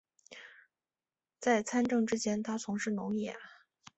在参政之前他从事农业。